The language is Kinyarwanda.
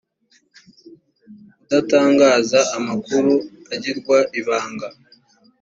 kudatangaza amakuru agirwa ibanga